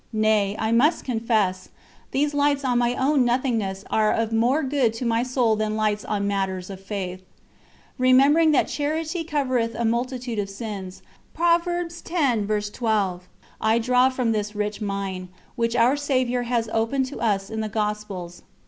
Nay, I must confess, these lights on my own nothingness are of more good to my soul than lights on matters of Faith. Remembering that "Charity covereth a multitude of sins," I draw from this rich mine, which Our Saviour has opened to us in the Gospels.